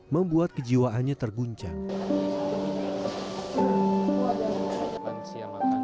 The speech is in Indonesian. membuat kejiwaannya terguncang